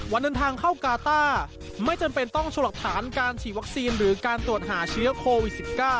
วันเดินทางเข้ากาต้าไม่จำเป็นต้องโชว์หลักฐานการฉีดวัคซีนหรือการตรวจหาเชื้อโควิด๑๙